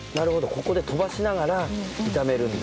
ここで飛ばしながら炒めるんだ。